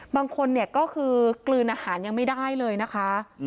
บางคนเนี่ยก็คือกลืนอาหารยังไม่ได้เลยนะคะ